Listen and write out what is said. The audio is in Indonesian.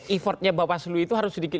effortnya bawaslu itu harus sedikit